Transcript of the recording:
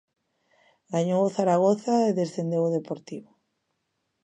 Gañou o Zaragoza e descendeu o Deportivo.